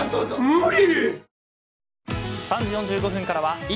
無理。